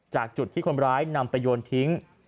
จากจุดที่คนร้ายนำไปโยนทิ้ง